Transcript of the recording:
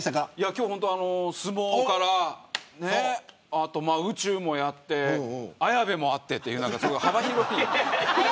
今日は相撲から、宇宙もやって綾部もあって、幅広く。